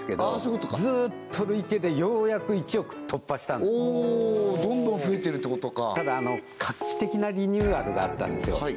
あそういうことかずっと累計でようやく１億突破したんですどんどん増えてるってことかただ画期的なリニューアルがあったんですよ